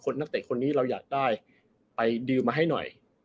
นักเตะคนนี้เราอยากได้ไปดื่มมาให้หน่อย